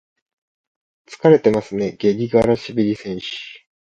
疲れてますね、グリガラシビリ選手。